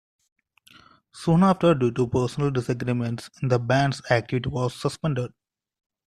Soon after due to personal disagreements the band's activity was suspended.